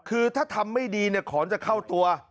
คือถ้าทำไม่ดีขอนจะเข้าตัว